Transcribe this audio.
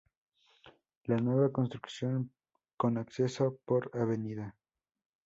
La nueva construcción, con acceso por Av.